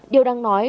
điều đáng nói